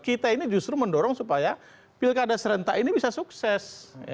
kita ini justru mendorong supaya pilkada serentak ini bisa sukses